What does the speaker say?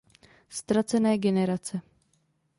Ztracené generace.